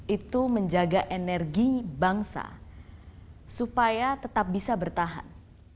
itu menjaga energi bangsa supaya tetap bisa bertahan